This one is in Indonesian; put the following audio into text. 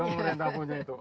pemerintah punya itu